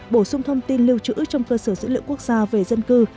bổ sung thông tin lưu trữ trong cơ sở dữ liệu quốc gia về dân cư